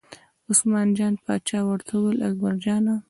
عثمان جان پاچا ورته وویل اکبرجانه!